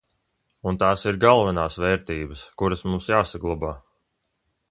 Un tās ir galvenās vērtības, kuras mums jāsaglabā.